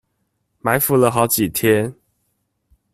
埋伏了好多天